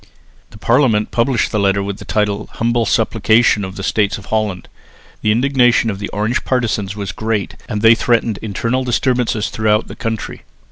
The Parliament published the letter with the title "Humble Supplication of the States of Holland." The indignation of the Orange partisans was great, and they threatened internal disturbances throughout the country.